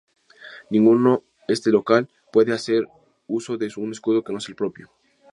Ningún ente local puede hacer uso de un escudo que no sea el propio.